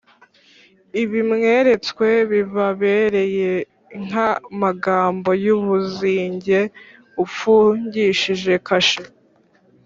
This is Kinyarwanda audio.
Ibi mweretswe, bibabereye nk’amagambo y’umuzinge ufungishije kashe,